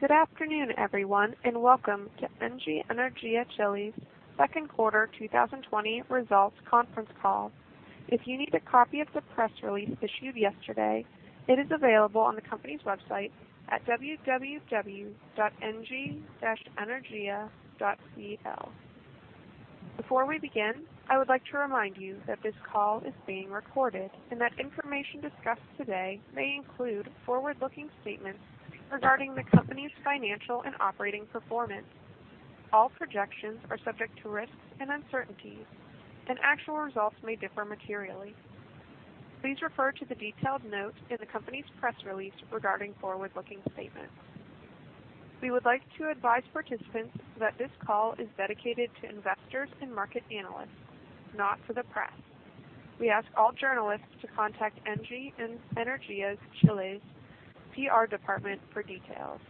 Good afternoon, everyone, and welcome to Engie Energia Chile's second quarter 2020 results conference call. If you need a copy of the press release issued yesterday, it is available on the company's website at www.engie-energia.cl. Before we begin, I would like to remind you that this call is being recorded and that information discussed today may include forward-looking statements regarding the company's financial and operating performance. All projections are subject to risks and uncertainties, and actual results may differ materially. Please refer to the detailed note in the company's press release regarding forward-looking statements. We would like to advise participants that this call is dedicated to investors and market analysts, not for the press. We ask all journalists to contact Engie Energia Chile's PR department for details.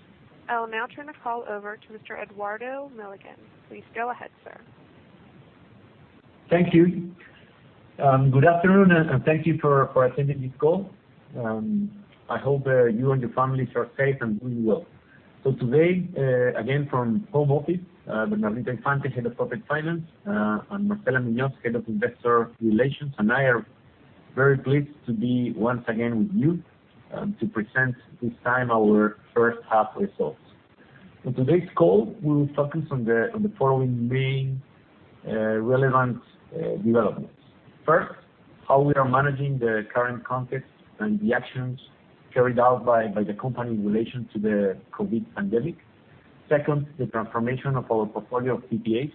I will now turn the call over to Mr. Eduardo Milligan. Please go ahead, sir. Thank you. Good afternoon, and thank you for attending this call. I hope you and your families are safe and doing well. Today, again, from home office, Bernardita Infante, Head of Corporate Finance, and Marcela Muñoz, Head of Investor Relations, and I are very pleased to be once again with you to present this time our first half results. In today's call, we will focus on the following main relevant developments. First, how we are managing the current context and the actions carried out by the company in relation to the COVID pandemic. Second, the transformation of our portfolio of PPAs.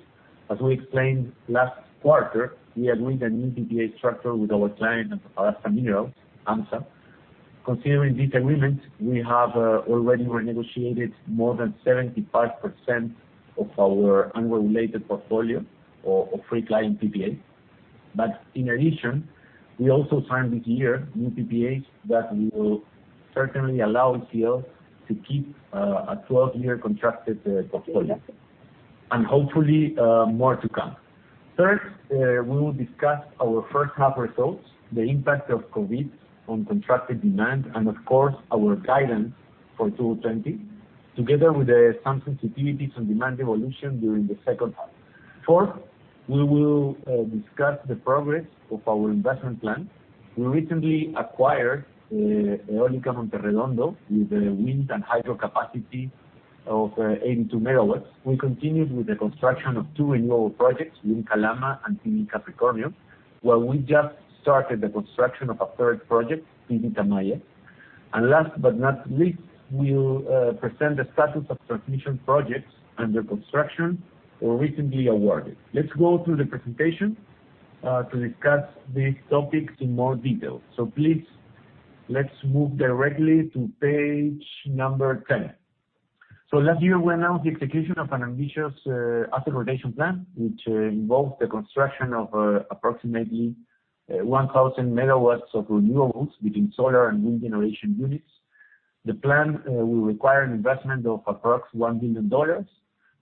As we explained last quarter, we agreed a new PPA structure with our client Antofagasta Minerals, AMSA. Considering this agreement, we have already renegotiated more than 75% of our unregulated portfolio of free client PPA. In addition, we also signed this year new PPAs that will certainly allow ECL to keep a 12-year contracted portfolio, and hopefully, more to come. Third, we will discuss our first half results, the impact of COVID on contracted demand, and of course, our guidance for 2020, together with some sensitivities on demand evolution during the second half. Fourth, we will discuss the progress of our investment plan. We recently acquired Eólica Monte Redondo with a wind and hydro capacity of 82 MW. We continued with the construction of two renewable projects, Wind Calama and PV Capricornio, while we just started the construction of a third project, PV Tamaya. Last but not least, we'll present the status of transmission projects under construction or recently awarded. Let's go through the presentation to discuss these topics in more detail. Please, let's move directly to page number 10. Last year, we announced the execution of an ambitious asset rotation plan, which involves the construction of approximately 1,000 MW of renewables between solar and wind generation units. The plan will require an investment of approximately $1 billion.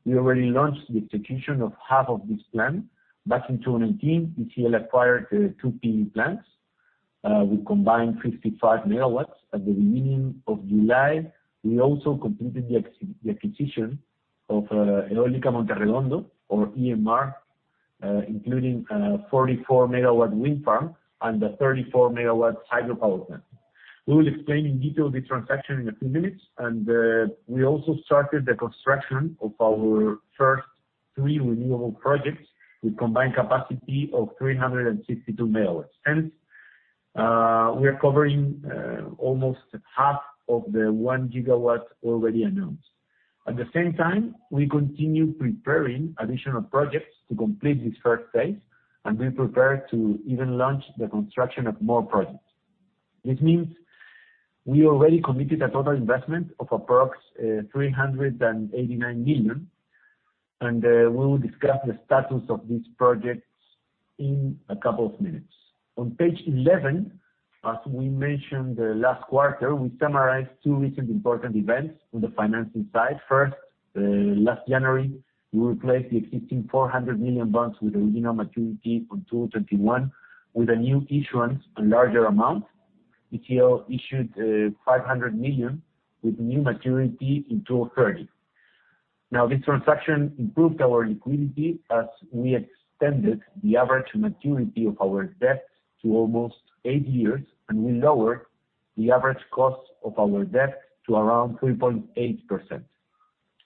We already launched the execution of half of this plan. Back in 2018, ECL acquired two PV plants with combined 55 MW. At the beginning of July, we also completed the acquisition of Eólica Monte Redondo or EMR, including a 44 MW wind farm and a 34 MW hydropower plant. We will explain in detail this transaction in a few minutes, and we also started the construction of our first three renewable projects with combined capacity of 362 MW. Hence, we are covering almost half of the 1 GW already announced. At the same time, we continue preparing additional projects to complete this first phase, and we prepare to even launch the construction of more projects. This means we already committed a total investment of approx $389 million, and we will discuss the status of these projects in a couple of minutes. On page 11, as we mentioned last quarter, we summarized two recent important events on the financing side. First, last January, we replaced the existing $400 million bonds with original maturity on 2021 with a new issuance, a larger amount. ECL issued $500 million with new maturity in 2030. This transaction improved our liquidity as we extended the average maturity of our debt to almost eight years, and we lowered the average cost of our debt to around 3.8%.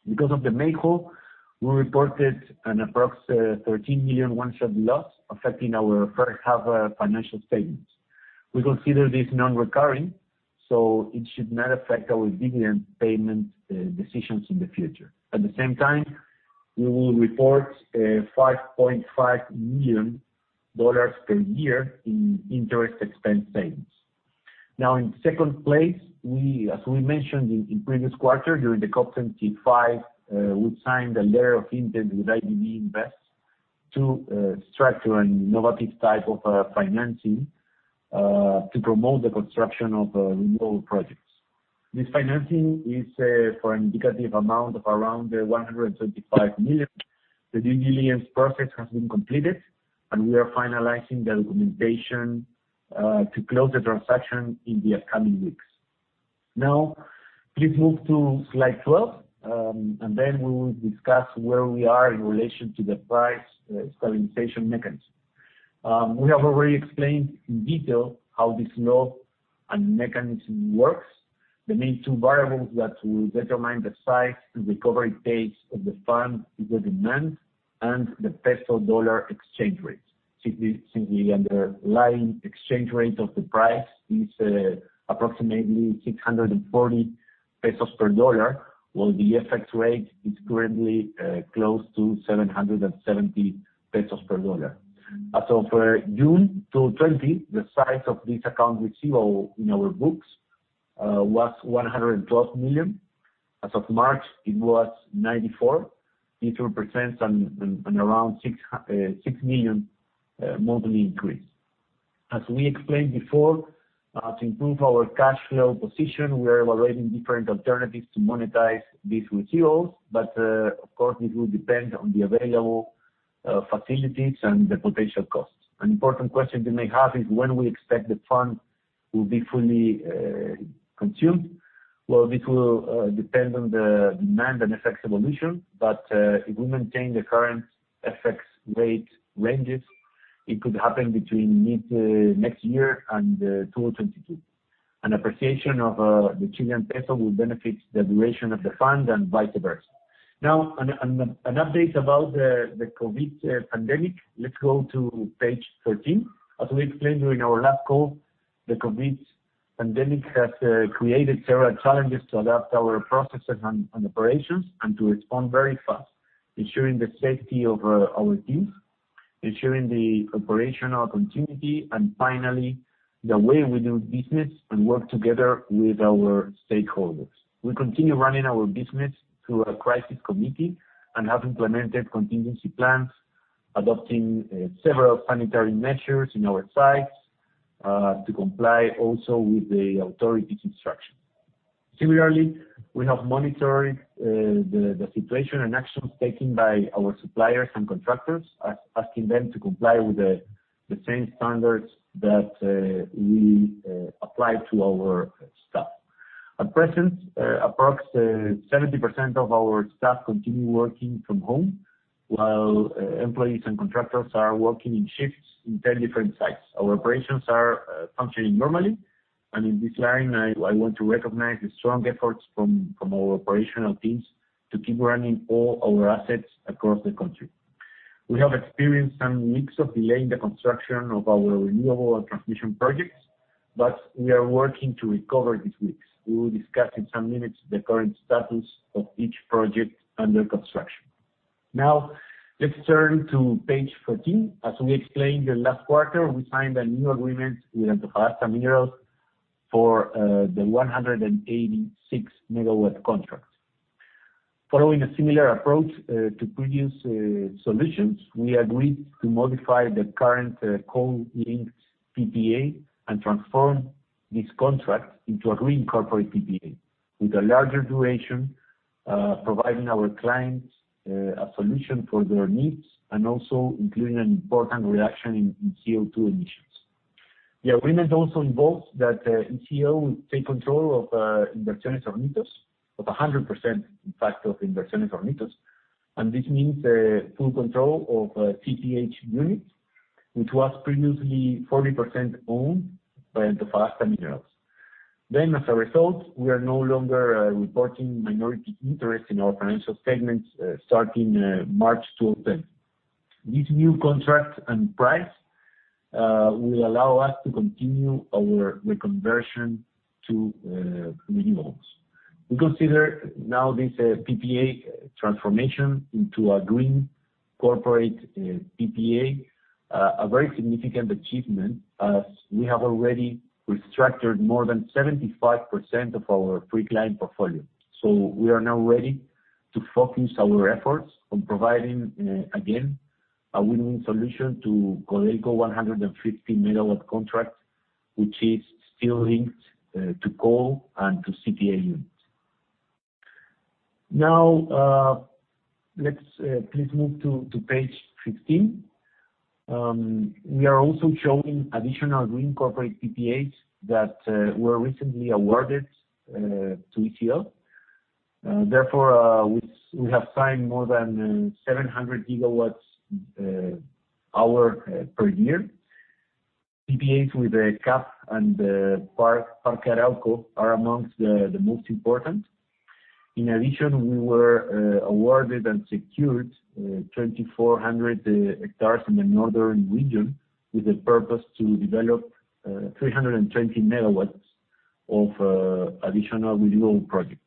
Because of the make-whole, we reported an approx $13 million one-off loss affecting our first half financial statements. We consider this non-recurring. It should not affect our dividend payment decisions in the future. At the same time, we will report $5.5 million per year in interest expense payments. In second place, as we mentioned in previous quarter during the COP 25, we signed a letter of intent with IDB Invest to structure an innovative type of financing to promote the construction of renewable projects. This financing is for an indicative amount of around $125 million. The due diligence process has been completed. We are finalizing the documentation to close the transaction in the upcoming weeks. Please move to slide 12. We will discuss where we are in relation to the price stabilization mechanism. We have already explained in detail how this law and mechanism works. The main two variables that will determine the size and recovery pace of the fund is the demand and the peso-dollar exchange rate, since the underlying exchange rate of the price is approximately 640 pesos per dollar, while the FX rate is currently close to 770 pesos per dollar. As of June 2020, the size of this account receivable in our books was $112 million. As of March, it was $94 million, it represents an around $6 million monthly increase. As we explained before, to improve our cash flow position, we are evaluating different alternatives to monetize these receivables, but of course, it will depend on the available facilities and the potential costs. An important question you may have is when we expect the fund will be fully consumed. Well, it will depend on the demand and FX evolution, but if we maintain the current FX rate ranges, it could happen between mid-next year and 2022. An appreciation of the Chilean peso will benefit the duration of the fund and vice versa. Now, an update about the COVID pandemic. Let's go to page 13. As we explained during our last call, the COVID pandemic has created several challenges to adapt our processes and operations and to respond very fast, ensuring the safety of our teams, ensuring the operational continuity, and finally, the way we do business and work together with our stakeholders. We continue running our business through a crisis committee and have implemented contingency plans, adopting several sanitary measures in our sites to comply also with the authorities' instructions. Similarly, we have monitored the situation and actions taken by our suppliers and contractors, asking them to comply with the same standards that we apply to our staff. At present, approx 70% of our staff continue working from home, while employees and contractors are working in shifts in 10 different sites. Our operations are functioning normally. In this line, I want to recognize the strong efforts from our operational teams to keep running all our assets across the country. We have experienced some weeks of delay in the construction of our renewable and transmission projects. We are working to recover these weeks. We will discuss in some minutes the current status of each project under construction. Let's turn to page 14. As we explained the last quarter, we signed a new agreement with Antofagasta Minerals for the 186 MW contract. Following a similar approach to previous solutions, we agreed to modify the current coal index PPA and transform this contract into a green corporate PPA with a larger duration, providing our clients a solution for their needs and also including an important reduction in CO2 emissions. The agreement also involves that ECL will take control of Inversiones Hornitos, 100%, in fact, of Inversiones Hornitos. This means full control of CTH units, which was previously 40% owned by Antofagasta Minerals. As a result, we are no longer reporting minority interest in our financial statements starting March 2010. This new contract and price will allow us to continue our conversion to renewables. We consider now this PPA transformation into a green corporate PPA a very significant achievement, as we have already restructured more than 75% of our free client portfolio. We are now ready to focus our efforts on providing, again, a win-win solution to Codelco 150 MW contract, which is still linked to coal and to CTH units. Let's please move to page 15. We are also showing additional green corporate PPAs that were recently awarded to ECL. We have signed more than 700 GWh per year. PPAs with CAP and Parque Arauco are amongst the most important. We were awarded and secured 2,400 hectares in the northern region with the purpose to develop 320 MW of additional renewal projects,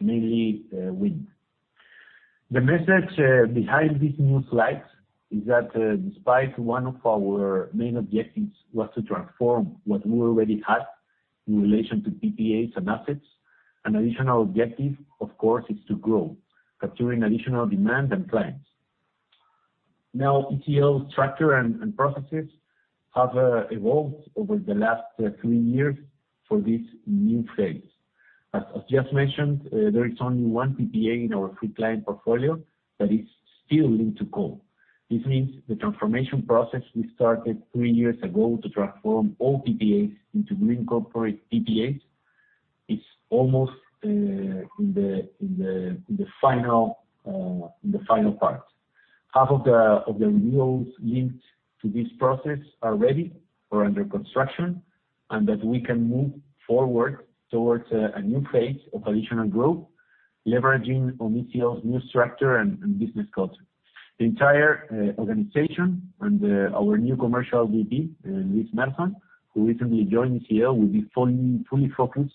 mainly wind. The message behind these new slides is that despite one of our main objectives was to transform what we already had in relation to PPAs and assets, an additional objective, of course, is to grow, capturing additional demand and clients. ECL structure and processes have evolved over the last three years for this new phase. As just mentioned, there is only one PPA in our free client portfolio that is still linked to coal. This means the transformation process we started three years ago to transform all PPAs into green corporate PPAs is almost in the final part. Half of the renewals linked to this process are ready or under construction, and that we can move forward towards a new phase of additional growth, leveraging on ECL's new structure and business culture. The entire organization and our new Commercial VP, Luis Melet, who recently joined ECL, will be fully focused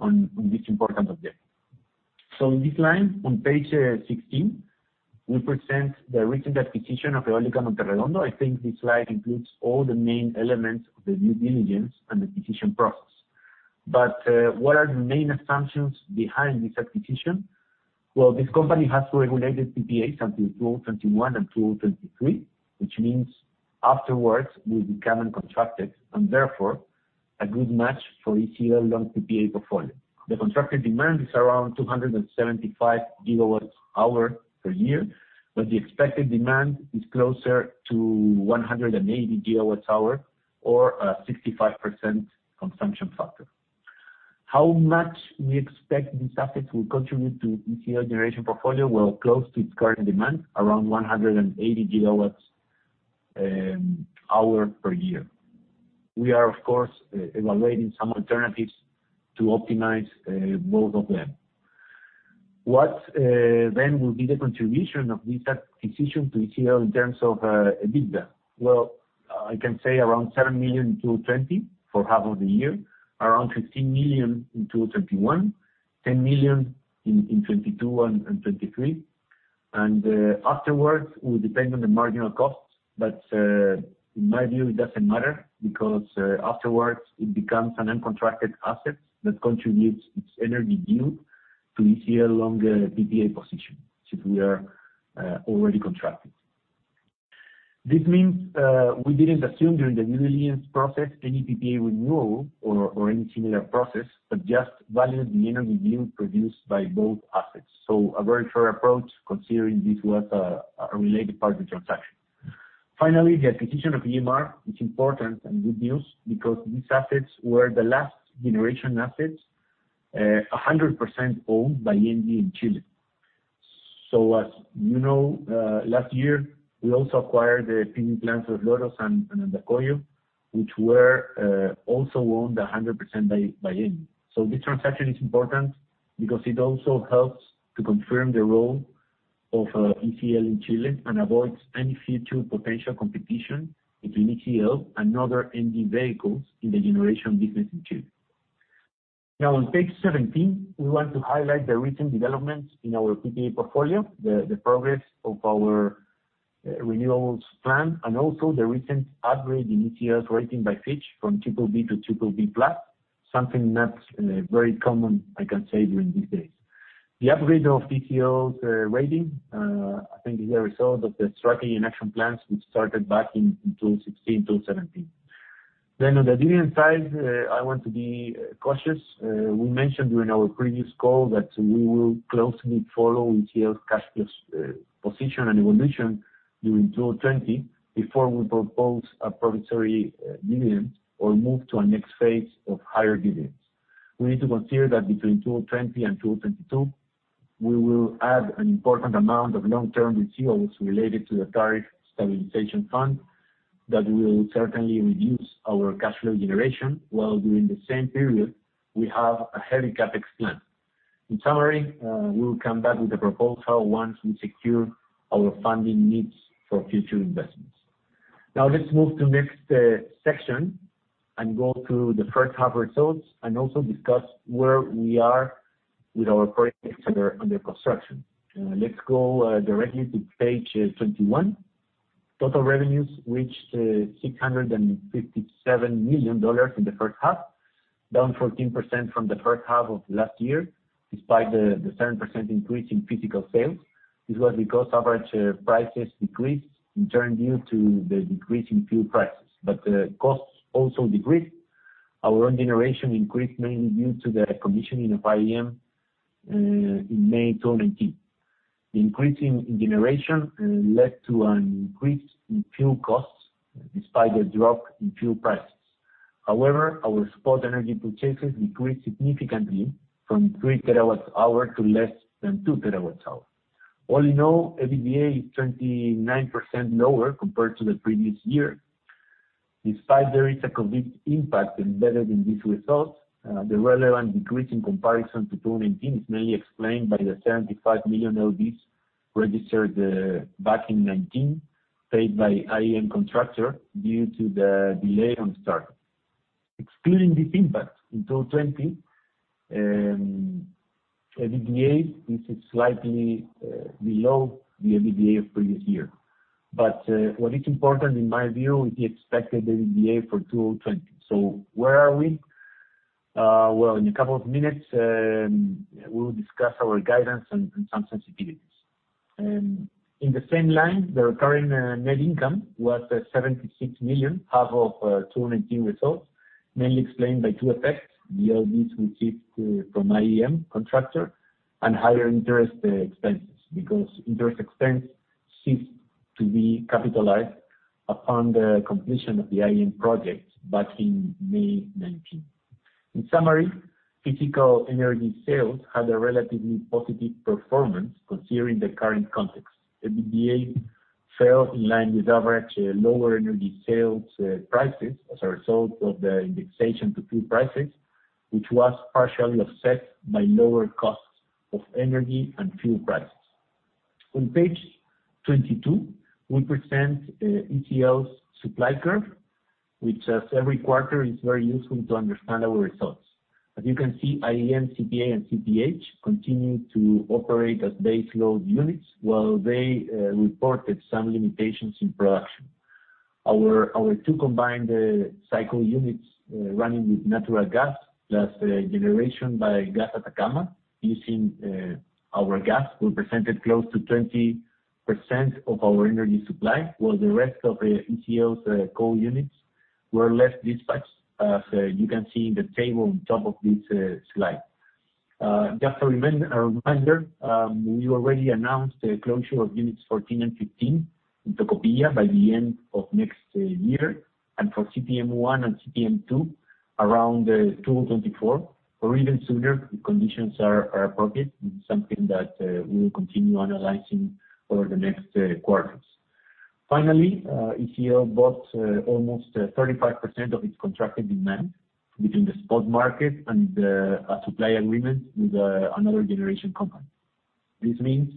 on this important objective. In this line, on page 16, we present the recent acquisition of Eólica Monte Redondo. I think this slide includes all the main elements of the due diligence and acquisition process. What are the main assumptions behind this acquisition? Well, this company has two regulated PPAs until 2021 and 2023, which means afterwards, we become uncontracted, and therefore, a good match for ECL long PPA portfolio. The contracted demand is around 275 GWh per year, but the expected demand is closer to 180 GWh or a 65% consumption factor. How much we expect these assets will contribute to ECL generation portfolio? Well, close to its current demand, around 180 GWh per year. We are, of course, evaluating some alternatives to optimize both of them. What will be the contribution of this acquisition to ECL in terms of EBITDA? I can say around $7 million in 2020 for half of the year, around $15 million in 2021, $10 million in 2022 and 2023. Afterwards, it will depend on the marginal costs, but in my view, it doesn't matter because afterwards it becomes an uncontracted asset that contributes its energy deal to ECL long PPA position, since we are already contracted. This means we didn't assume during the due diligence process any PPA renewal or any similar process, but just valued the energy deal produced by both assets. A very fair approach considering this was a related party transaction. Finally, the acquisition of EMR is important and good news because these assets were the last generation assets 100% owned by Engie in Chile. As you know, last year, we also acquired the PV plants of Los Loros and Andacollo, which were also owned 100% by Engie. This transaction is important because it also helps to confirm the role of ETL in Chile and avoids any future potential competition between ETL and other Engie vehicles in the generation business in Chile. On page 17, we want to highlight the recent developments in our PPA portfolio, the progress of our renewals plan, and also the recent upgrade in ETL's rating by Fitch from BBB to BBB+, something not very common, I can say, during these days. The upgrade of ETL's rating, I think is a result of the strategy and action plans we started back in 2016, 2017. On the dividend side, I want to be cautious. We mentioned during our previous call that we will closely follow ECL's cash position and evolution during 2020 before we propose a provisory dividend or move to a next phase of higher dividends. We need to consider that between 2020 and 2022, we will add an important amount of long-term receivables related to the tariff stabilization fund that will certainly reduce our cash flow generation, while during the same period, we have a heavy CapEx plan. In summary, we will come back with the proposal once we secure our funding needs for future investments. Let's move to next section and go through the first half results, and also discuss where we are with our projects that are under construction. Let's go directly to page 21. Total revenues reached $657 million in the first half, down 14% from the first half of last year, despite the 7% increase in physical sales. This was because average prices decreased, in turn due to the decrease in fuel prices. Costs also decreased. Our own generation increased mainly due to the commissioning of IEM in May 2019. The increase in generation led to an increase in fuel costs despite the drop in fuel prices. Our spot energy purchases decreased significantly from 3 TWh to less than 2 TWh. All in all, EBITDA is 29% lower compared to the previous year. Despite the retail COVID impact embedded in these results, the relevant decrease in comparison to 2019 is mainly explained by the $75 million LDs registered back in 2019, paid by IEM contractor due to the delay on start. Excluding this impact in 2020, EBITDA is slightly below the EBITDA of previous year. What is important in my view is the expected EBITDA for 2020. Where are we? Well, in a couple of minutes, we will discuss our guidance and some sensitivities. In the same line, the recurring net income was $76 million, half of 2019 results, mainly explained by two effects: the earnings we received from IEM contractor and higher interest expenses, because interest expense ceased to be capitalized upon the completion of the IEM project back in May 2019. In summary, physical energy sales had a relatively positive performance considering the current context. EBITDA fell in line with average lower energy sales prices as a result of the indexation to fuel prices, which was partially offset by lower costs of energy and fuel prices. On page 22, we present ECL's supply curve, which as every quarter, is very useful to understand our results. As you can see, IEM, CPA, and CTH continue to operate as base load units, while they reported some limitations in production. Our two combined cycle units, running with natural gas, plus generation by GasAtacama, using our gas, represented close to 20% of our energy supply, while the rest of ECL's coal units were less dispatched, as you can see in the table on top of this slide. Just a reminder, we already announced the closure of units 14 and 15 in Tocopilla by the end of next year, and for CTM1 and CTM2, around 2024 or even sooner if conditions are appropriate. This is something that we will continue analyzing over the next quarters. ECL bought almost 35% of its contracted demand between the spot market and a supply agreement with another generation company. This means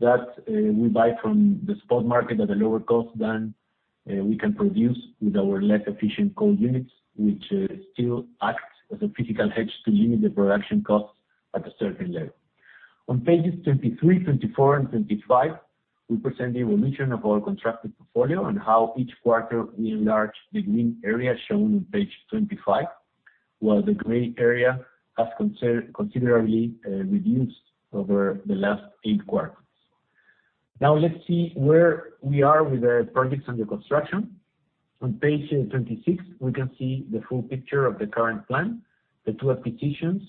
that we buy from the spot market at a lower cost than we can produce with our less efficient coal units, which still act as a physical hedge to limit the production costs at a certain level. On pages 23, 24, and 25, we present the evolution of our contracted portfolio and how each quarter we enlarge the green area shown on page 25, while the gray area has considerably reduced over the last eight quarters. Let's see where we are with the projects under construction. On page 26, we can see the full picture of the current plan, the two acquisitions,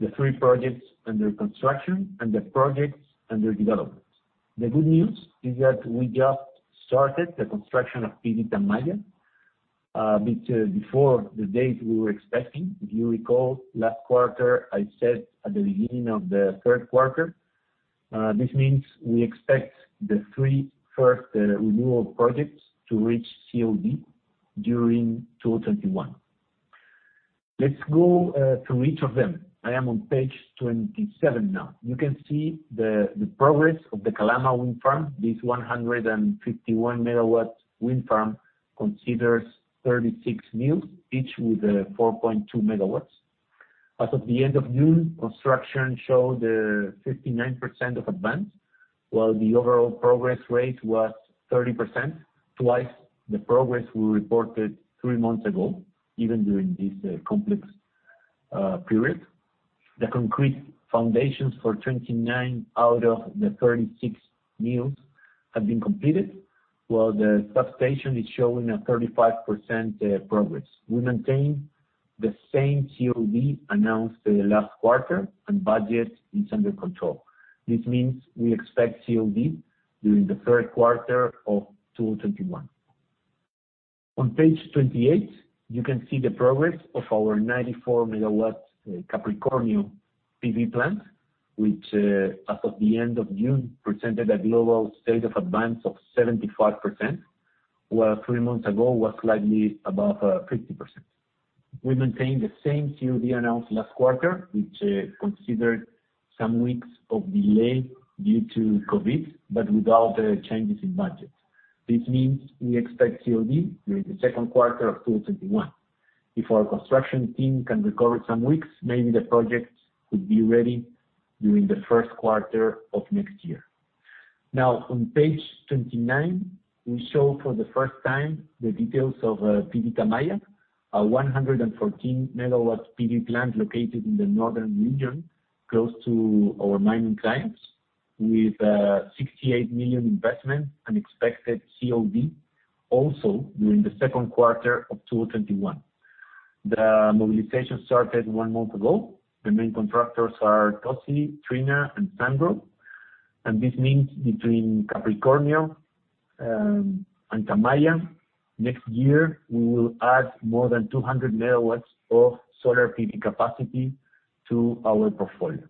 the three projects under construction, and the projects under development. The good news is that we just started the construction of PV Tamaya a bit before the date we were expecting. If you recall, last quarter, I said at the beginning of the third quarter. This means we expect the three first renewable projects to reach COD during 2021. Let's go through each of them. I am on page 27 now. You can see the progress of the Calama Wind Farm. This 151 MW wind farm considers 36 mills, each with 4.2 MW. As of the end of June, construction showed a 59% of advance, while the overall progress rate was 30%, twice the progress we reported three months ago, even during this complex period. The concrete foundations for 29 mills out of the 36 mills have been completed, while the substation is showing a 35% progress. We maintain the same COD announced last quarter, and budget is under control. This means we expect COD during the third quarter of 2021. On page 28, you can see the progress of our 94 MW Capricornio PV plant, which as of the end of June, presented a global state of advance of 75%, while three months ago, was slightly above 50%. We maintain the same COD announced last quarter, which considered some weeks of delay due to COVID, but without changes in budget. This means we expect COD during the second quarter of 2021. If our construction team can recover some weeks, maybe the project could be ready during the first quarter of next year. On page 29, we show for the first time the details of PV Tamaya, a 114 MW PV plant located in the northern region, close to our mining clients, with a $68 million investment and expected COD also during the second quarter of 2021. The mobilization started one month ago. The main contractors are Tozzi, Trina, and Sandro. This means between Capricornio and Tamaya, next year, we will add more than 200 MW of solar PV capacity to our portfolio.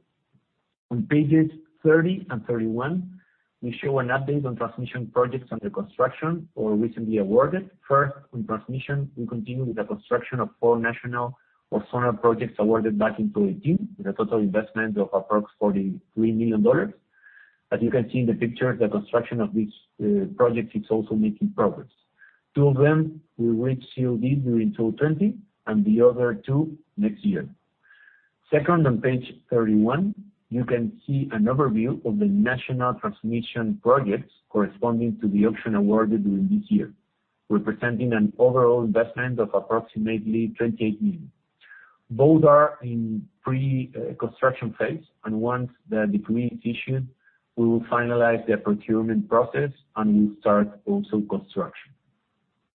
On pages 30 and 31, we show an update on transmission projects under construction or recently awarded. First, on transmission, we continue with the construction of four national or zonal projects awarded back in 2018, with a total investment of approximately $43 million. As you can see in the picture, the construction of these projects is also making progress. Two of them will reach COD during 2020. The other two next year. Second, on page 31, you can see an overview of the national transmission projects corresponding to the auction awarded during this year, representing an overall investment of approximately $28 million. Both are in pre-construction phase, and once the decree is issued, we will finalize the procurement process, and we'll start also construction.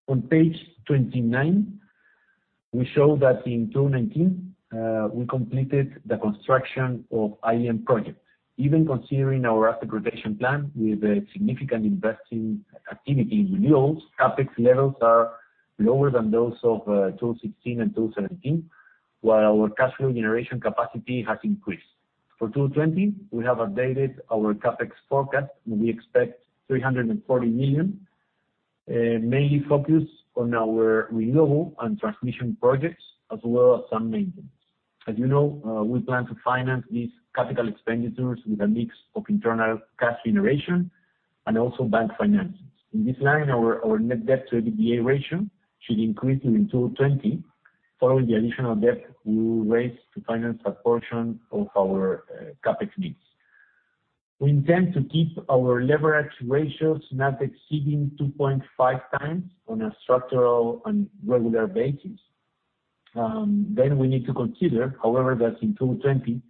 On page 29, we show that in 2019, we completed the construction of IEM projects. Even considering our asset rotation plan with a significant investing activity renewals, CapEx levels are lower than those of 2016 and 2017, while our cash flow generation capacity has increased. For 2020, we have updated our CapEx forecast, and we expect $340 million, mainly focused on our renewable and transmission projects, as well as some maintenance. As you know, we plan to finance these capital expenditures with a mix of internal cash generation and also bank financings. In this line, our net debt to EBITDA ratio should increase in 2020 following the additional debt we will raise to finance a portion of our CapEx needs. We intend to keep our leverage ratios not exceeding 2.5x on a structural and regular basis. We need to consider, however, that in 2020,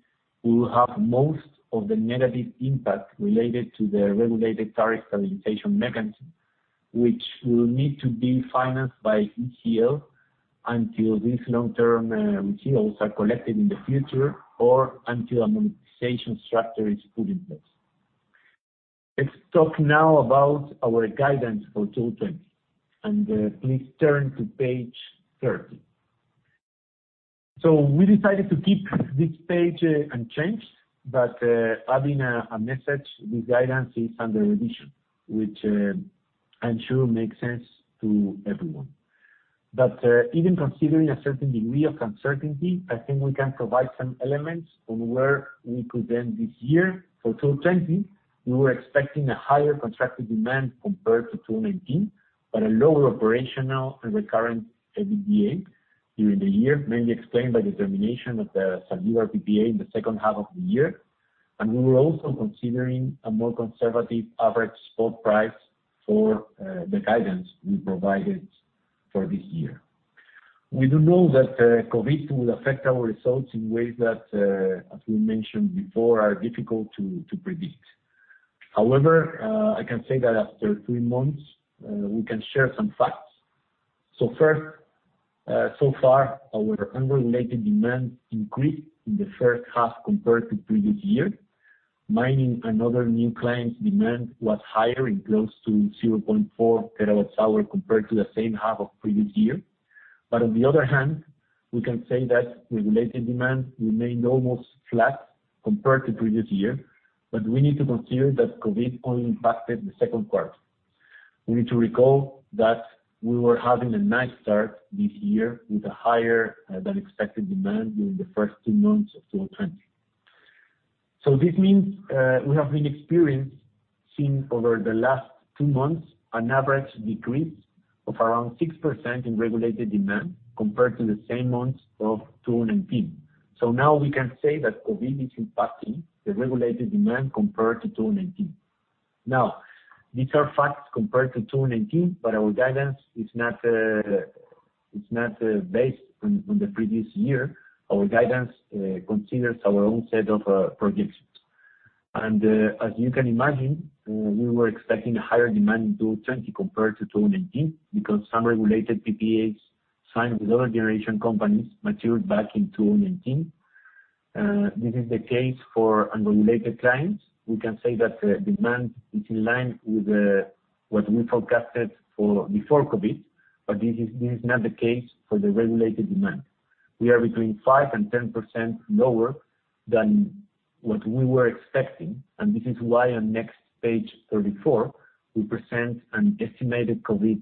we will have most of the negative impact related to the regulated tariff stabilization mechanism, which will need to be financed by ECL until these long-term yields are collected in the future or until a monetization structure is put in place. Let's talk now about our guidance for 2020. Please turn to page 30. We decided to keep this page unchanged, adding a message, this guidance is under revision, which I'm sure makes sense to everyone. Even considering a certain degree of uncertainty, I think we can provide some elements on where we could end this year. For 2020, we were expecting a higher contracted demand compared to 2019, but a lower operational and recurring EBITDA during the year, mainly explained by the termination of the Saur PPA in the second half of the year. We were also considering a more conservative average spot price for the guidance we provided for this year. We do know that COVID will affect our results in ways that, as we mentioned before, are difficult to predict. However, I can say that after three months, we can share some facts. So far, our unregulated demand increased in the first half compared to previous year. Mining and other new clients' demand was higher in close to 0.4TWh compared to the same half of previous year. On the other hand, we can say that regulated demand remained almost flat compared to previous year, but we need to consider that COVID only impacted the second quarter. We need to recall that we were having a nice start this year with a higher-than-expected demand during the first two months of 2020. This means, we have been experienced since over the last two months, an average decrease of around 6% in regulated demand compared to the same months of 2019. Now we can say that COVID is impacting the regulated demand compared to 2019. Now, these are facts compared to 2019, but our guidance is not based on the previous year. Our guidance considers our own set of projections. As you can imagine, we were expecting a higher demand in 2020 compared to 2019 because some regulated PPAs signed with other generation companies matured back in 2019. This is the case for unregulated clients. We can say that the demand is in line with what we forecasted before COVID, but this is not the case for the regulated demand. We are between 5% and 10% lower than what we were expecting, and this is why on next page 34, we present an estimated COVID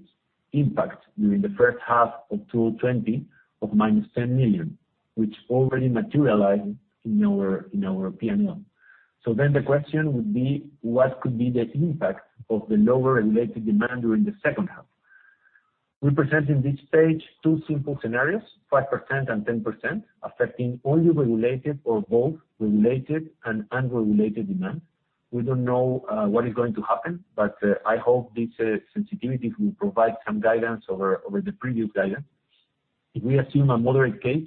impact during the first half of 2020 of -$10 million, which already materialized in our P&L. The question would be, what could be the impact of the lower regulated demand during the second half? We present in this page two simple scenarios, 5% and 10%, affecting only regulated or both regulated and unregulated demand. We don't know what is going to happen. I hope these sensitivities will provide some guidance over the previous guidance. If we assume a moderate case,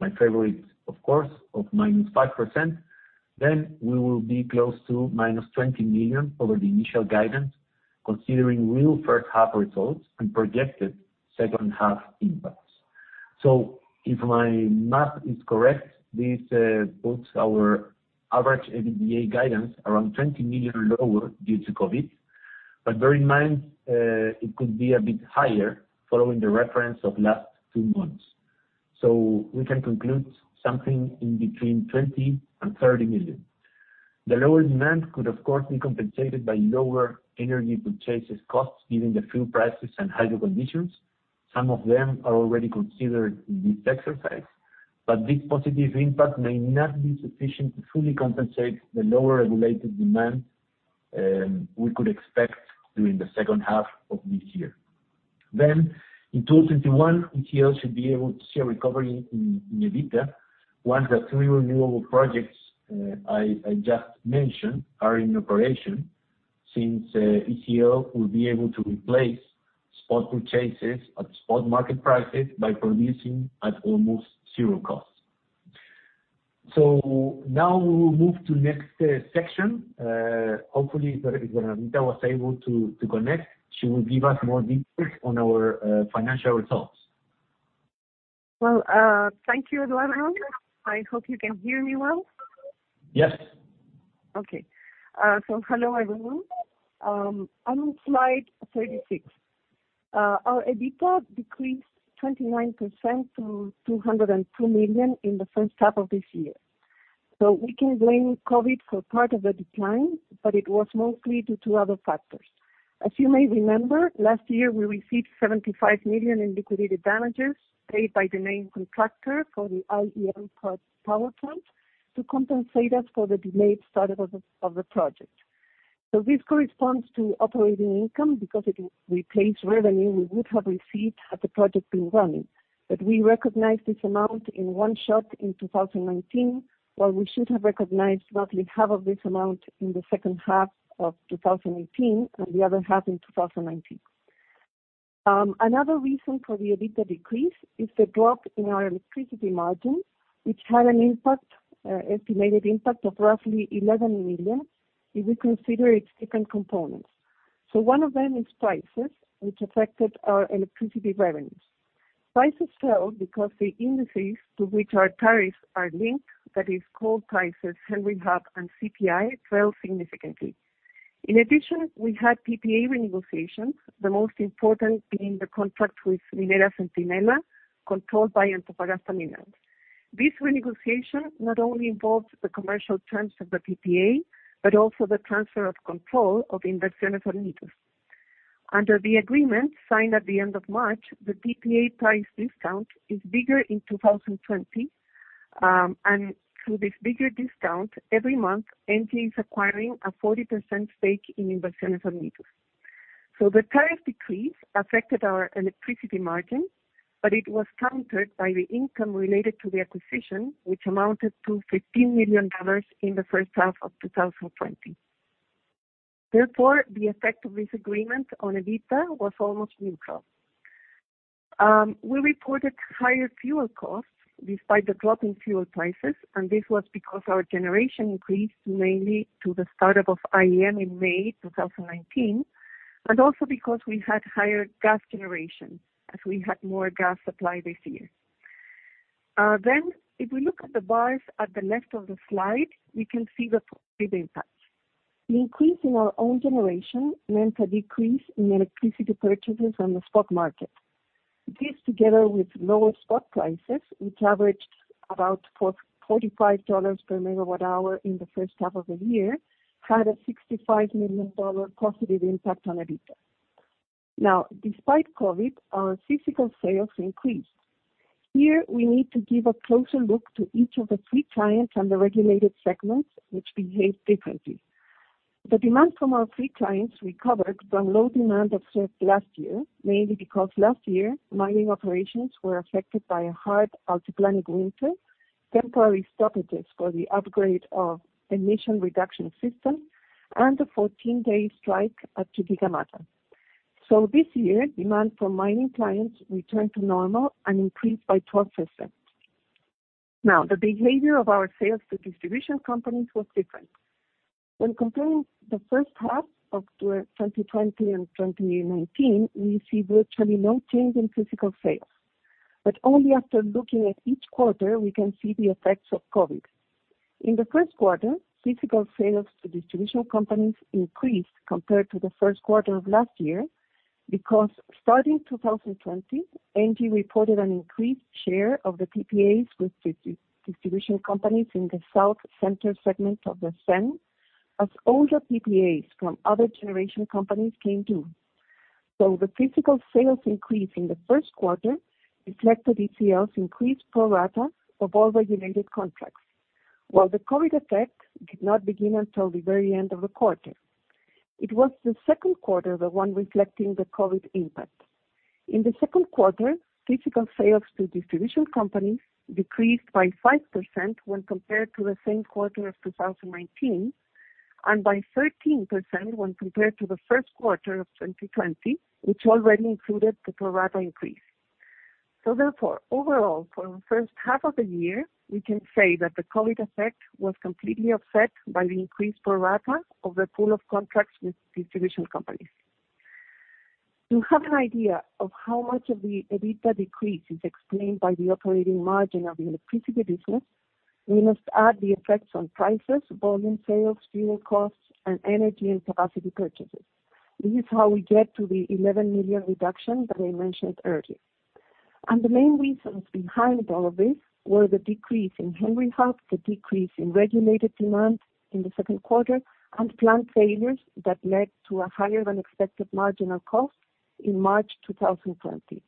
my favorite, of course, of minus 5%, then we will be close to minus $20 million over the initial guidance, considering real first half results and projected second half impacts. If my math is correct, this puts our average EBITDA guidance around $20 million lower due to COVID. Bear in mind, it could be a bit higher following the reference of last two months. We can conclude something in between $20 million and $30 million. The lower demand could, of course, be compensated by lower energy purchases costs given the fuel prices and hydro conditions. Some of them are already considered in this exercise, this positive impact may not be sufficient to fully compensate the lower regulated demand, we could expect during the second half of this year. In 2021, ECL should be able to see a recovery in the EBITDA once the three renewable projects I just mentioned are in operation, since ECL will be able to replace spot purchases at spot market prices by producing at almost zero cost. Now we will move to next section. Hopefully, when Bernardita was able to connect, she will give us more details on our financial results. Well, thank you, Eduardo. I hope you can hear me well. Yes. Okay. Hello, everyone. I'm on slide 36. Our EBITDA decreased 29% to $202 million in the first half of this year. We can blame COVID for part of the decline, but it was mostly due to other factors. As you may remember, last year, we received $75 million in liquidated damages paid by the main contractor for the IEM power plant to compensate us for the delayed startup of the project. This corresponds to operating income because it replaced revenue we would have received had the project been running. We recognized this amount in one shot in 2019, while we should have recognized roughly half of this amount in the second half of 2018 and the other half in 2019. Another reason for the EBITDA decrease is the drop in our electricity margin, which had an estimated impact of roughly $11 million, if we consider its different components. One of them is prices, which affected our electricity revenues. Prices fell because the indices to which our tariffs are linked, that is, coal prices, Henry Hub, and CPI, fell significantly. In addition, we had PPA renegotiations, the most important being the contract with Minera Centinela, controlled by Antofagasta Minerals. This renegotiation not only involved the commercial terms of the PPA, but also the transfer of control of Inversiones Hornitos. Under the agreement signed at the end of March, the PPA price discount is bigger in 2020. Through this bigger discount, every month, Engie is acquiring a 40% stake in Inversiones Hornitos. The tariff decrease affected our electricity margin, but it was countered by the income related to the acquisition, which amounted to $15 million in the first half of 2020. Therefore, the effect of this agreement on EBITDA was almost neutral. We reported higher fuel costs despite the drop in fuel prices, and this was because our generation increased mainly to the startup of IEM in May 2019, and also because we had higher gas generation, as we had more gas supply this year. If we look at the bars at the left of the slide, we can see the positive impacts. The increase in our own generation meant a decrease in electricity purchases on the stock market. This, together with lower spot prices, which averaged about $45/MWh in the first half of the year, had a $65 million positive impact on EBITDA. Despite COVID, our physical sales increased. Here, we need to give a closer look to each of the three clients and the regulated segments, which behaved differently. The demand from our free clients recovered from low demand observed last year, mainly because last year, mining operations were affected by a hard Altiplanic winter, temporary stoppages for the upgrade of emission reduction system, and a 14-day strike at Chuquicamata. This year, demand for mining clients returned to normal and increased by 12%. The behavior of our sales to distribution companies was different. When comparing the first half of 2020 and 2019, we see virtually no change in physical sales. Only after looking at each quarter, we can see the effects of COVID. In the first quarter, physical sales to distribution companies increased compared to the first quarter of last year because starting 2020, Engie reported an increased share of the PPAs with distribution companies in the South Center segment of the CEN, as older PPAs from other generation companies came due. The physical sales increase in the first quarter reflected ECL's increased pro rata of all regulated contracts, while the COVID effect did not begin until the very end of the quarter. It was the second quarter, the one reflecting the COVID impact. In the second quarter, physical sales to distribution companies decreased by 5% when compared to the same quarter of 2019, and by 13% when compared to the first quarter of 2020, which already included the pro rata increase. Therefore, overall, for the first half of the year, we can say that the COVID effect was completely offset by the increased pro rata of the pool of contracts with distribution companies. To have an idea of how much of the EBITDA decrease is explained by the operating margin of the electricity business, we must add the effects on prices, volume sales, fuel costs, and energy and capacity purchases. This is how we get to the $11 million reduction that I mentioned earlier. The main reasons behind all of this were the decrease in Henry Hub, the decrease in regulated demand in the second quarter, and plant failures that led to a higher-than-expected marginal cost in March 2020.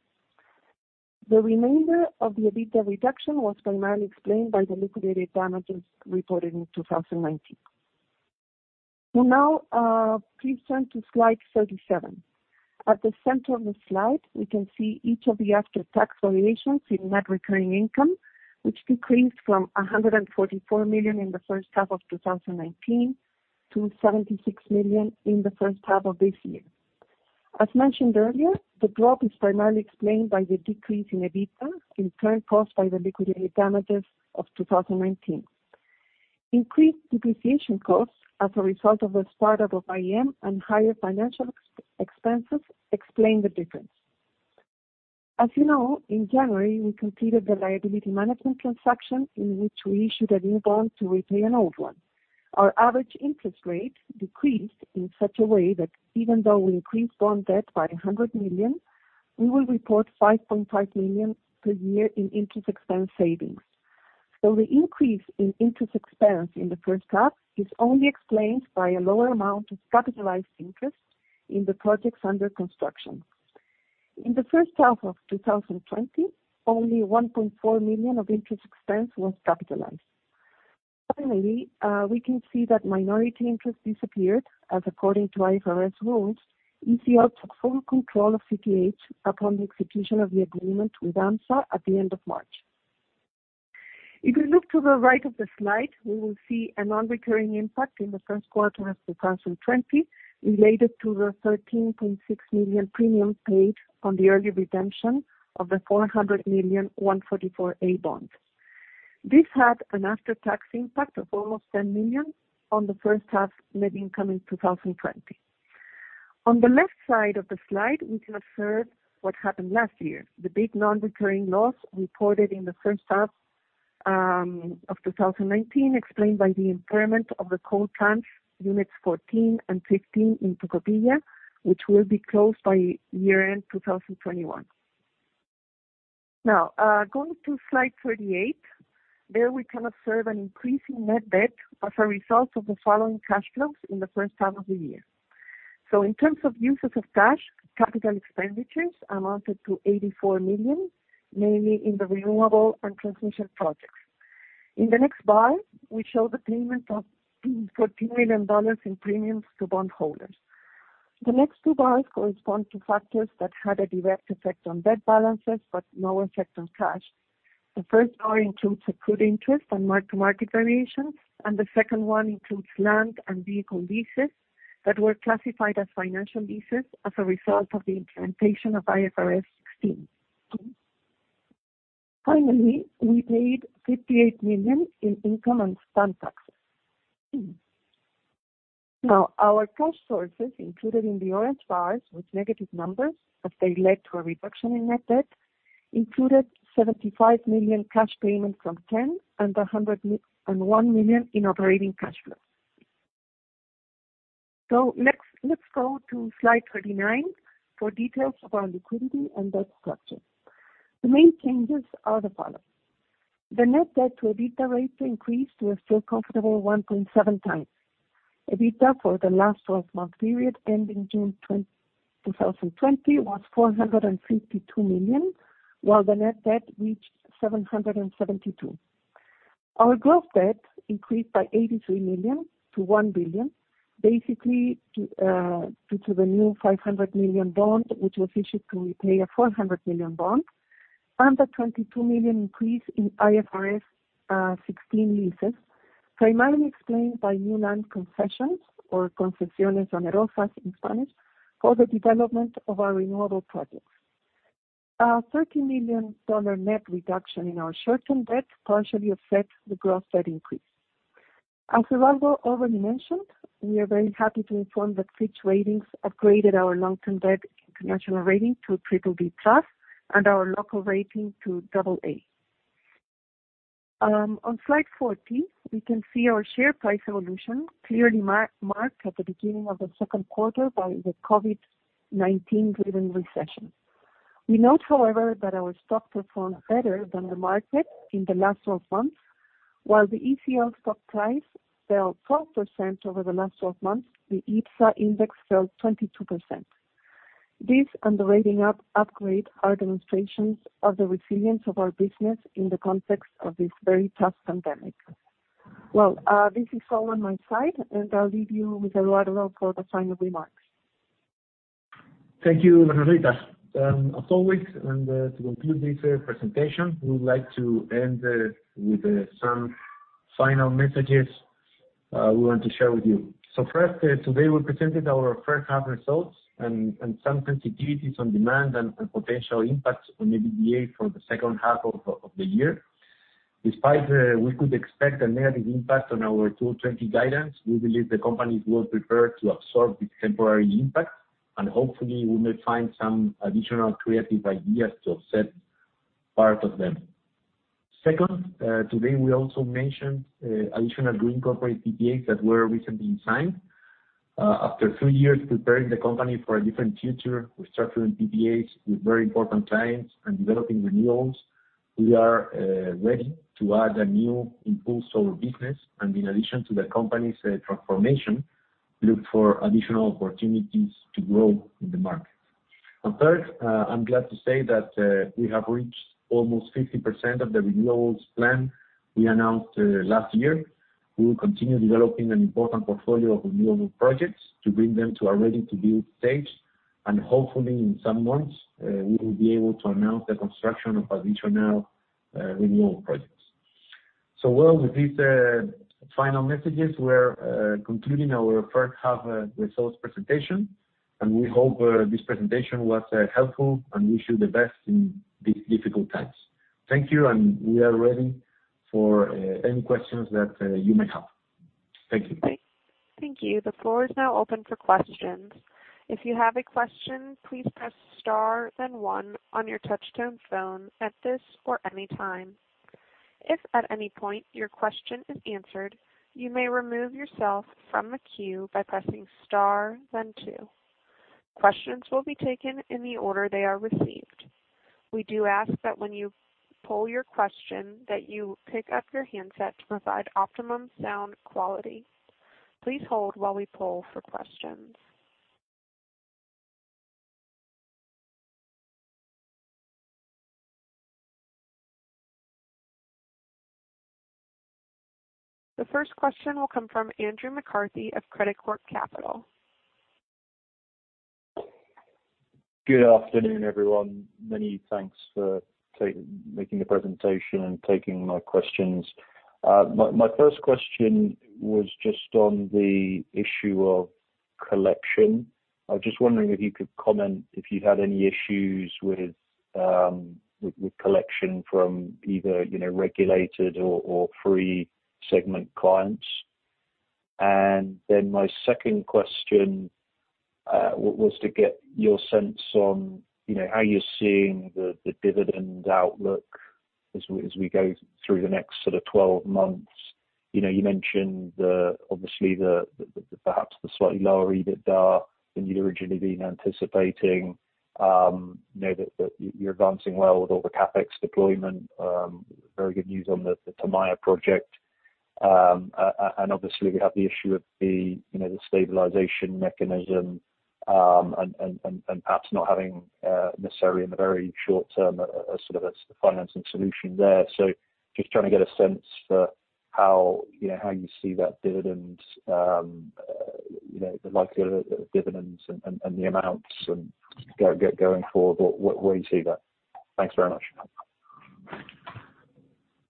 The remainder of the EBITDA reduction was primarily explained by the liquidated damages reported in 2019. Now, please turn to slide 37. At the center of the slide, we can see each of the after-tax variations in net recurring income, which decreased from $144 million in the first half of 2019 to $76 million in the first half of this year. As mentioned earlier, the drop is primarily explained by the decrease in EBITDA, in turn caused by the Liquidated Damages of 2019. Increased depreciation costs as a result of the startup of IEM and higher financial expenses explain the difference. As you know, in January, we completed the liability management transaction in which we issued a new bond to repay an old one. Our average interest rate decreased in such a way that even though we increased bond debt by $100 million, we will report $5.5 million per year in interest expense savings. The increase in interest expense in the first half is only explained by a lower amount of capitalized interest in the projects under construction. In the first half of 2020, only $1.4 million of interest expense was capitalized. Finally, we can see that minority interest disappeared as, according to IFRS rules, ECL took full control of CTH upon the execution of the agreement with AMSA at the end of March. If we look to the right of the slide, we will see a non-recurring impact in the first quarter of 2020 related to the $13.6 million premium paid on the early redemption of the $400 million 144A bond. This had an after-tax impact of almost $10 million on the first half net income in 2020. On the left side of the slide, we can observe what happened last year, the big non-recurring loss reported in the first half of 2019, explained by the impairment of the coal plants, units 14 and 15 in Tocopilla, which will be closed by year-end 2021. Now, going to slide 38. There, we can observe an increase in net debt as a result of the following cash flows in the first half of the year. In terms of uses of cash, capital expenditures amounted to $84 million, mainly in the renewable and transmission projects. In the next bar, we show the payment of $14 million in premiums to bond holders. The next two bars correspond to factors that had a direct effect on debt balances, but no effect on cash. The first bar includes accrued interest and mark-to-market variations. The second one includes land and vehicle leases that were classified as financial leases as a result of the implementation of IFRS 16. Finally, we paid $58 million in income and stamp taxes. Now, our cash sources, included in the orange bars with negative numbers, as they led to a reduction in net debt, included $75 million cash payments from TEN and $101 million in operating cash flow. Let's go to slide 39 for details about liquidity and debt structure. The main changes are the following. The net debt to EBITDA rate increased to a still comfortable 1.7x. EBITDA for the last 12-month period ending June 2020 was $452 million, while the net debt reached $772 million. Our gross debt increased by $83 million to $1 billion, basically due to the new $500 million bond, which was issued to repay a $400 million bond, and a $22 million increase in IFRS 16 leases, primarily explained by new land concessions or concesiones onerosas in Spanish, for the development of our renewable projects. A $30 million net reduction in our short-term debt partially offset the gross debt increase. As Eduardo already mentioned, we are very happy to inform that Fitch Ratings upgraded our long-term debt international rating to BBB+ and our local rating to AA. On slide 40, we can see our share price evolution clearly marked at the beginning of the second quarter by the COVID-19-driven recession. We note, however, that our stock performed better than the market in the last 12 months. While the ECL stock price fell 12% over the last 12 months, the IPSA index fell 22%. This and the rating upgrade are demonstrations of the resilience of our business in the context of this very tough pandemic. Well, this is all on my side, and I'll leave you with Eduardo for the final remarks. Thank you, Bernardita. As always, to conclude this presentation, we would like to end with some final messages we want to share with you. First, today, we presented our first-half results and some sensitivities on demand and potential impacts on EBITDA for the second-half of the year. Despite we could expect a negative impact on our 2020 guidance, we believe the company is well prepared to absorb this temporary impact, hopefully, we may find some additional creative ideas to offset part of them. Second, today, we also mentioned additional green corporate PPAs that were recently signed. After three years preparing the company for a different future with structural PPAs with very important clients and developing renewals, we are ready to add a new impulse to our business, in addition to the company's transformation, look for additional opportunities to grow in the market. Third, I'm glad to say that we have reached almost 50% of the renewals plan we announced last year. We will continue developing an important portfolio of renewable projects to bring them to a ready-to-build stage, and hopefully in some months, we will be able to announce the construction of additional renewable projects. Well, with these final messages, we're concluding our first half results presentation, and we hope this presentation was helpful, and wish you the best in these difficult times. Thank you, and we are ready for any questions that you may have. Thank you. Thank you. The floor is now open for questions. If you have a question, please press star then one on your touchtone phone at this or any time. If at any point your question is answered, you may remove yourself from the queue by pressing star then two. Questions will be taken in the order they are received. We do ask that when you poll your question, that you pick up your handset to provide optimum sound quality. Please hold while we poll for questions. The first question will come from Andrew McCarthy of Credicorp Capital. Good afternoon, everyone. Many thanks for making the presentation and taking my questions. My first question was just on the issue of collection. I was just wondering if you could comment if you've had any issues with collection from either regulated or free segment clients. My second question, was to get your sense on how you're seeing the dividend outlook as we go through the next sort of 12 months. You mentioned obviously, perhaps the slightly lower EBITDA than you'd originally been anticipating. That you're advancing well with all the CapEx deployment. Very good news on the Tamaya project. Obviously we have the issue of the stabilization mechanism, and perhaps not having, necessarily in the very short term, a sort of a financing solution there. Just trying to get a sense for how you see that dividend, the likelihood of dividends and the amounts and get going forward, where you see that. Thanks very much.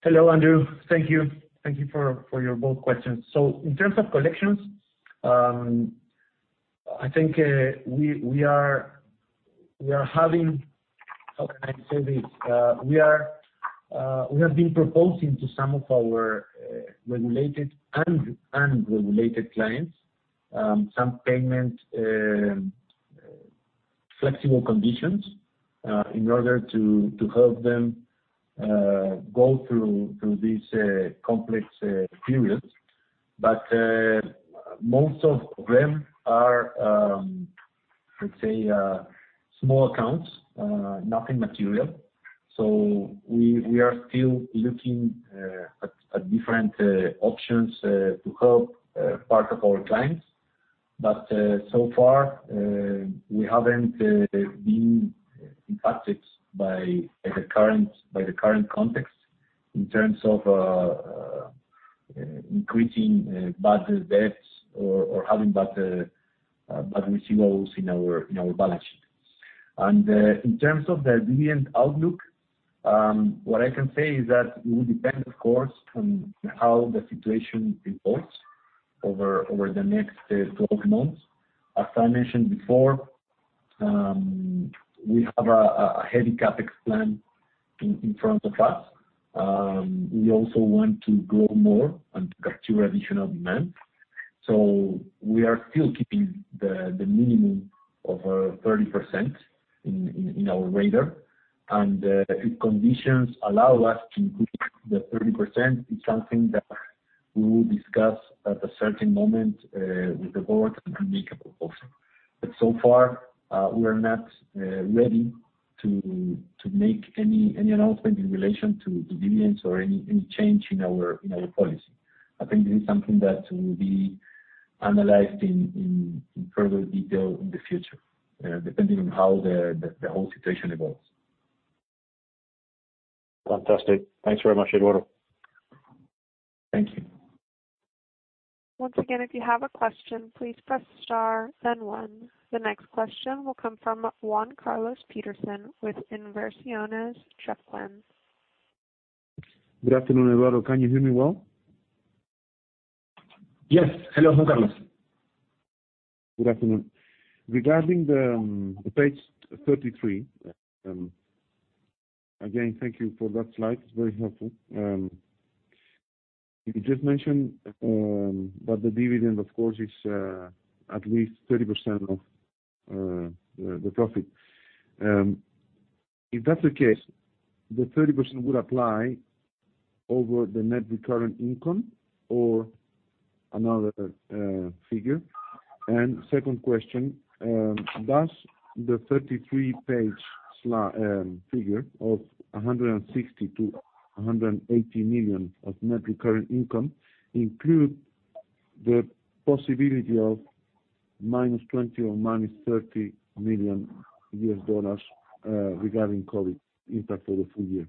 Hello, Andrew. Thank you. Thank you for your both questions. In terms of collections, I think we have been proposing to some of our regulated and unregulated clients, some payment flexible conditions, in order to help them go through these complex periods. Most of them are, let's say, small accounts, nothing material. We are still looking at different options to help part of our clients. So far, we haven't been impacted by the current context in terms of increasing bad debts or having bad receivables in our balance sheet. In terms of the dividend outlook, what I can say is that it will depend, of course, on how the situation evolves over the next 12 months. As I mentioned before, we have a heavy CapEx plan in front of us. We also want to grow more and capture additional demand. We are still keeping the minimum of 30% in our radar. If conditions allow us to increase the 30%, it's something that we will discuss at a certain moment, with the board and make a proposal. So far, we are not ready to make any announcement in relation to dividends or any change in our policy. I think this is something that will be analyzed in further detail in the future, depending on how the whole situation evolves. Fantastic. Thanks very much, Eduardo. Thank you. Once again, if you have a question, please press star then one. The next question will come from Juan Carlos Petersen with Inversiones Chufquen. Good afternoon, Eduardo. Can you hear me well? Yes. Hello, Juan Carlos. Good afternoon. Regarding the page 33, again, thank you for that slide. It is very helpful. You just mentioned, that the dividend, of course, is at least 30% of the profit. If that's the case, the 30% will apply over the net recurrent income or another figure? Second question, does the 33-page figure of $160 million-$180 million of net recurrent income include the possibility of -$20 million or -$30 million, regarding COVID impact for the full year?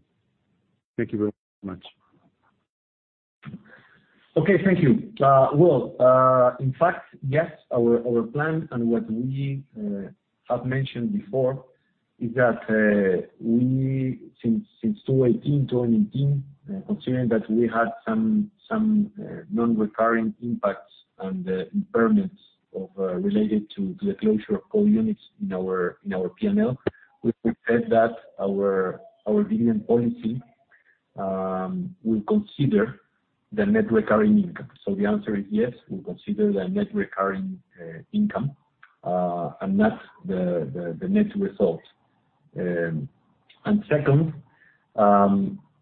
Thank you very much. Okay. Thank you. Well, in fact, yes, our plan and what we have mentioned before is that we, since 2018, considering that we had some non-recurring impacts and impairments related to the closure of coal units in our P&L. We said that our dividend policy will consider the net recurring income. The answer is yes, we consider the net recurring income, and that's the net result. Second,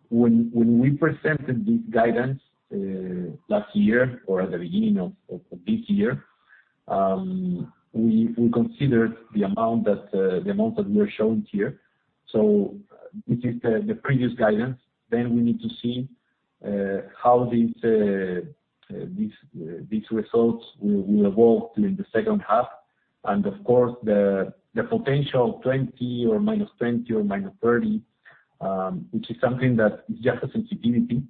when we presented this guidance last year or at the beginning of this year, we considered the amount that we are showing here. This is the previous guidance. We need to see how these results will evolve during the second half. Of course, the potential of $20 million or -$20 million or -$30 million, which is something that is just a sensitivity,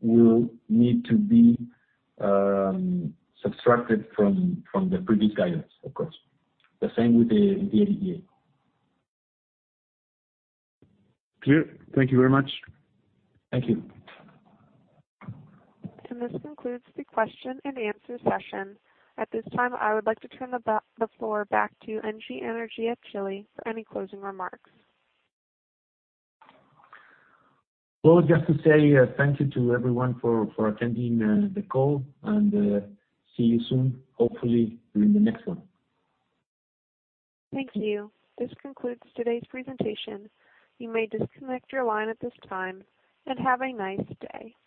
will need to be subtracted from the previous guidance, of course. The same with the ADA. Clear. Thank you very much. Thank you. This concludes the question and answer session. At this time, I would like to turn the floor back to Engie Energia Chile for any closing remarks. Well, just to say thank you to everyone for attending the call, and see you soon, hopefully during the next one. Thank you. This concludes today's presentation. You may disconnect your line at this time, and have a nice day.